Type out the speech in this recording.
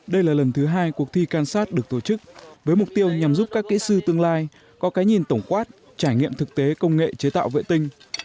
đây là lần thứ hai cuộc thi kansat được tổ chức với mục tiêu nhằm giúp các kỹ sư tương lai có cái nhìn tổng quát trải nghiệm thực tế công nghệ chế tạo vệ tinh